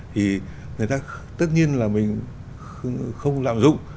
thì người ta tất nhiên là mình không lạm dụng